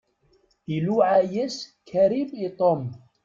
Iluɛa-yas Karim i Tom.